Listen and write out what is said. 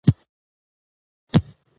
سختي تل د بریالیتوب لومړی ګام وي.